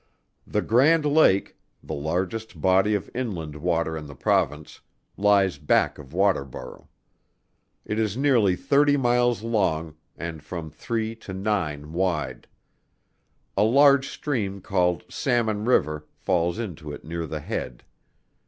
The Grand Lake, the largest body of inland water in the Province, lies back of Waterborough. It is nearly thirty miles long, and from three to nine wide. A large stream called Salmon River, falls into it near the head.